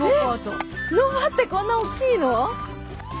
ロバってこんな大きいの？